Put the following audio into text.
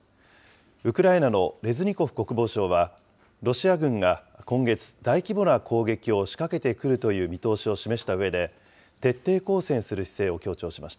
ウクライナのレズニコフ国防相は、ロシア軍が今月、大規模な攻撃を仕掛けてくるという見通しを示したうえで、徹底抗戦する姿勢を強調しました。